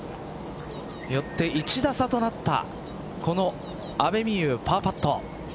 よって１打差となったこの阿部未悠パーパット。